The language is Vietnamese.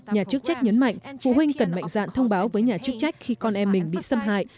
nhà chức trách nhấn mạnh phụ huynh cần mạnh dạn thông báo với nhà chức trách khi con em mình bị xâm hại